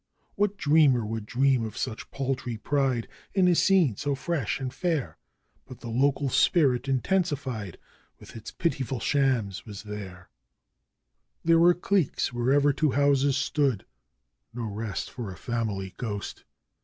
What dreamer would dream of such paltry pride in a scene so fresh and fair? But the local spirit intensified with its pitiful shams was there; There were cliques wherever two houses stood (no rest for a family ghost!)